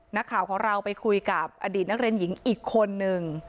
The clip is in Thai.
นักข่าวของเราไปคุยกับอดีตนักเรียนหญิงอีกคนนึง